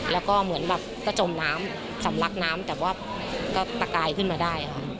แล้วก็เหมือนแบบก็จมน้ำสำลักน้ำแต่ว่าก็ตะกายขึ้นมาได้ค่ะ